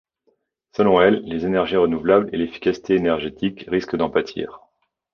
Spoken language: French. Selon elles, les énergies renouvelables et l'efficacité énergétique risquent d'en pâtir.